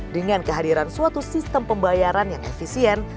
dengan kehadiran suatu sistem pembayaran yang efisien